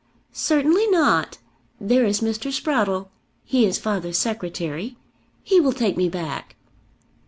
"Certainly not. There is Mr. Sprottle. He is father's secretary. He will take me back."